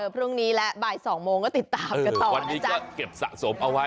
พรุ่งนี้และบ่ายสองโมงก็ติดตามกันต่อวันนี้ก็เก็บสะสมเอาไว้